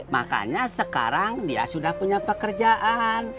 makanya sekarang dia sudah punya pekerjaan